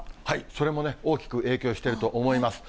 それもね、大きく影響してると思います。